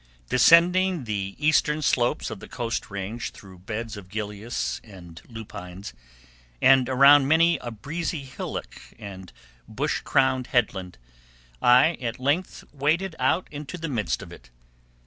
Descending the eastern slopes of the Coast Range through beds of gilias and lupines, and around many a breezy hillock and bush crowned headland, I at length waded out into the midst of it.